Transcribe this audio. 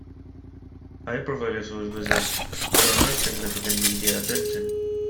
High-profile issues which have garnered significant media attention.